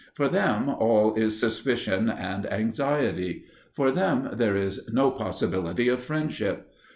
For them all is suspicion and anxiety; for them there is no possibility of friendship.